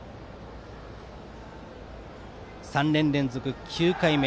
３年連続９回目。